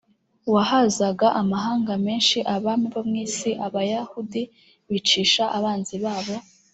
wahazaga amahanga menshi abami bo mu isi abayahudi bicisha abanzi babo